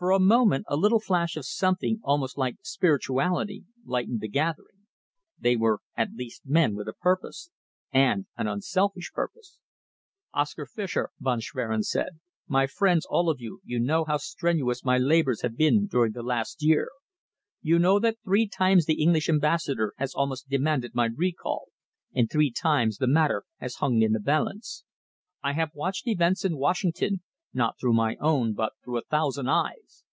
For a moment a little flash of something almost like spirituality lightened the gathering. They were at least men with a purpose, and an unselfish purpose. "Oscar Fischer," Von Schwerin said, "my friends, all of you, you know how strenuous my labours have been during the last year. You know that three times the English Ambassador has almost demanded my recall, and three times the matter has hung in the balance. I have watched events in Washington, not through my own but through a thousand eyes.